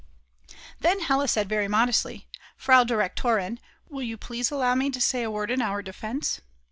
Then Hella said very modestly: "Frau Direktorin, will you please allow me to say a word in our defence?"